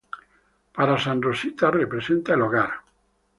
Para Sam, Rosita representa el hogar.